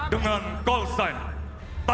dengan nama tanda tanda